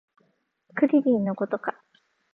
クリリンのことか